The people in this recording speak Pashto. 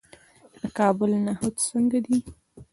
د کابل نخود څنګه دي؟